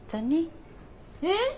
えっ？